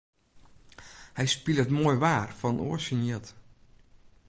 Hy spilet moai waar fan in oar syn jild.